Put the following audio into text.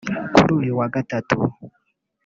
kuri uyu wa Gatatu